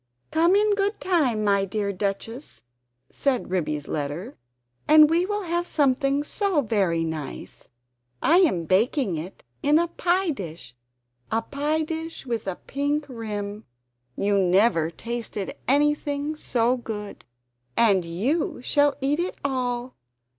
"Come in good time, my dear Duchess," said Ribby's letter, "and we will have something so very nice. I am baking it in a pie dish a pie dish with a pink rim. You never tasted anything so good! And YOU shall eat it all!